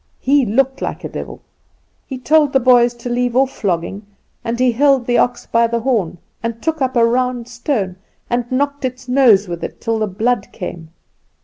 He looked like a devil. "He told the boys to leave off flogging, and he held the ox by the horn, and took up a round stone and knocked its nose with it till the blood came.